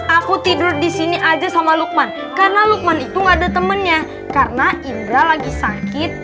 aku tidur di sini aja sama lukman karena lukman itu gak ada temennya karena indra lagi sakit